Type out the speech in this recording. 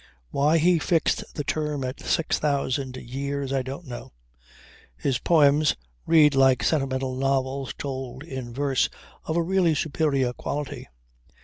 Why he fixed the term at six thousand years I don't know. His poems read like sentimental novels told in verse of a really superior quality.